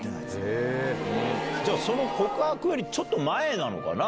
じゃあその告白よりちょっと前なのかな